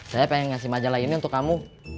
saya pengen ngasih majalah ini untuk kamu